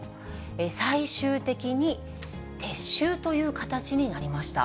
最終的に撤収という形になりました。